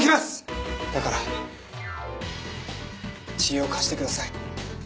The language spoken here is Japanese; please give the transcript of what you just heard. だから知恵を貸してください。